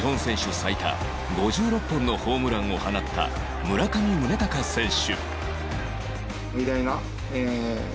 最多５６本のホームランを放った村上宗隆選手